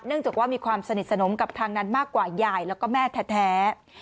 จากว่ามีความสนิทสนมกับทางนั้นมากกว่ายายแล้วก็แม่แท้